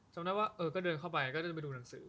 จำได้ว่าเออก็เดินเข้าไปก็จะไปดูหนังสือ